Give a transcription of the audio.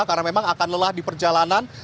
karena memang akan lelah di perjalanan